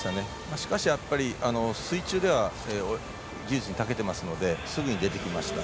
しかし水中では技術にたけてますのですぐに出てきました。